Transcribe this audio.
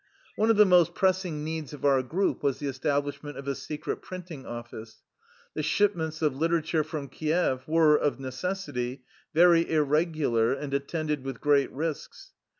One of the most pressing needs of our group was the establishment of a secret printing office. The shipments of literature from Kief were, of necessity, very irregular and attended with great risks.